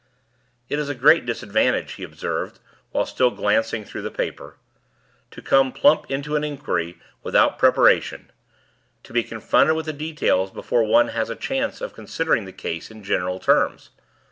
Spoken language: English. "It is a great disadvantage," he observed, while still glancing through the paper, "to come plump into an inquiry without preparation to be confronted with the details before one has a chance of considering the case in general terms.